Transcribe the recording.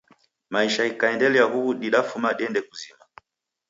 Maisha ghikaendelia huw'u didafuma dende kuzima.